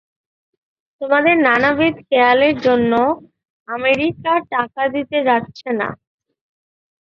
তোমাদের নানাবিধ খেয়ালের জন্য আমেরিকা টাকা দিতে চাচ্ছে না।